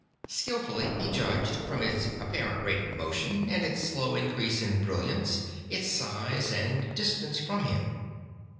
Skilfully he judged, from its apparent rate of motion and its slow increase in brilliance, its size and distance from him.